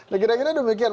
ya kira kira demikian